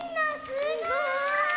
すごい！